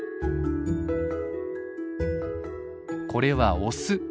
これはオス。